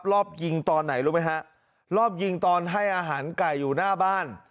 รอบยิงตอนไหนรู้ไหมฮะรอบยิงตอนให้อาหารไก่อยู่หน้าบ้าน